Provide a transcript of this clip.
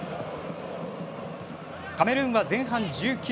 カメルーンは前半１９分。